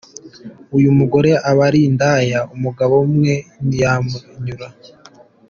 Uyu mugore aba ari indaya , umugabo umwe ntiyamunyura.